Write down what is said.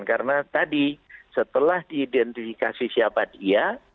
karena tadi setelah diidentifikasi siapa dia